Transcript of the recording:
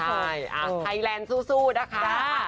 ใช่ไทยแลนด์สู้นะคะ